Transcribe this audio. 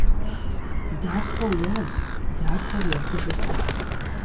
Дахэу ябз дахэу ядыжыркъым.